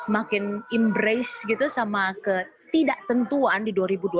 makin embrace sama ketidaktentuan di dua ribu dua puluh satu